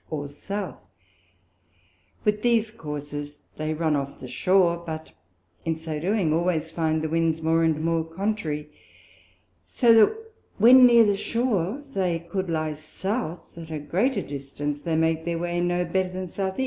or South; with these Courses they run off the Shoar, but in so doing they always find the Winds more and more contrary; so that when near the Shoar they could lie South, at a greater distance they can make their way no better than S. E.